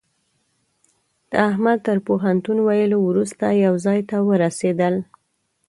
احمد تر پوهنتون ويلو روسته يوه ځای ته ورسېدل.